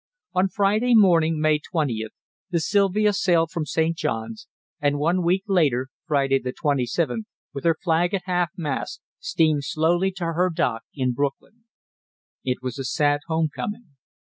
On Friday morning, May 20th, the Silvia sailed from St. John's, and one week later (Friday the 27th), with her flag at half mast, steamed slowly to her dock in Brooklyn. It was a sad home coming.